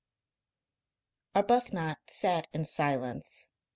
Arbuthnot sat in silence.